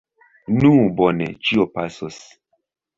Nu, bone, ĉio pasos!